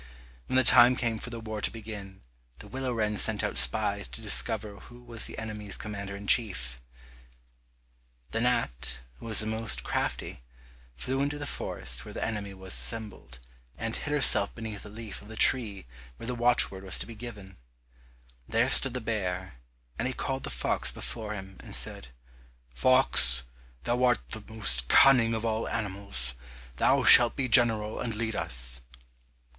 When the time came for the war to begin, the willow wren sent out spies to discover who was the enemy's commander in chief. The gnat, who was the most crafty, flew into the forest where the enemy was assembled, and hid herself beneath a leaf of the tree where the watchword was to be given. There stood the bear, and he called the fox before him and said, "Fox, thou art the most cunning of all animals, thou shalt be general and lead us."